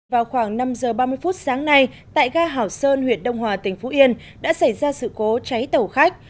vào khoảng năm giờ ba mươi phút sáng nay tại ga hảo sơn huyện đông hòa tỉnh phú yên đã xảy ra sự cố cháy tàu khách